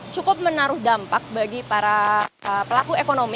cukup menaruh dampak bagi para pelaku ekonomi